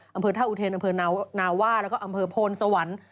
อำเภอท่าอุเทนอำเภอนาว่าแล้วก็อำเภอโพนสวรรค์